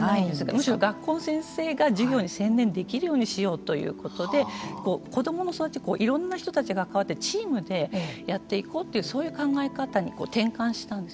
むしろ学校の先生が授業に専念できるようにしようということで子どもの育ちいろんな人たちが関わってチームでやっていこうというそういう考え方に転換したんです。